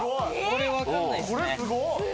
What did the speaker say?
これすごっ！